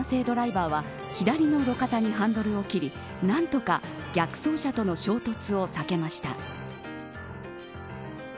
ドライバーは左の路肩にハンドルを切り何とか逆走車との衝突を避けました。